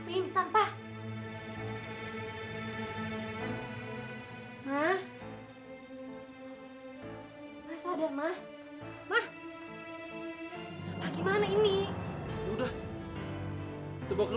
kita bawa ke rumah sakit